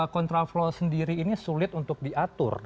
kontraflow sendiri ini sulit untuk diatur